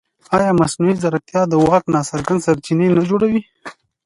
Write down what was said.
ایا مصنوعي ځیرکتیا د واک ناڅرګند سرچینه نه جوړوي؟